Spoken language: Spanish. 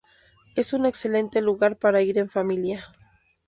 Es un excelente lugar para ir en familia.